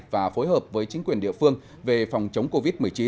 và phối hợp với chính quyền địa phương về phòng chống covid một mươi chín